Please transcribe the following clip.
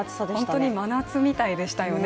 本当に真夏みたいでしたよね。